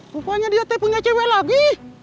rupanya dia teh punya cewek lagi